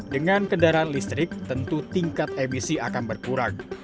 dengan kendaraan listrik tentu tingkat emisi akan berkurang